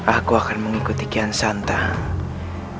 aku akan mengikuti kian santang di tempat ini